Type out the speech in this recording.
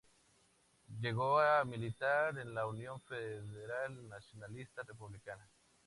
Llegó a militar en la Unión Federal Nacionalista Republicana.